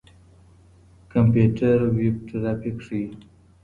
کمپيوټر ويب ټرافيک ښيي.